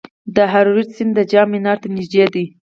د هریرود سیند د جام منار ته نږدې دی